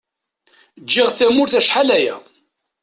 Ǧǧiɣ tamurt acḥal aya.